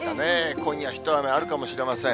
今夜、一雨あるかもしれません。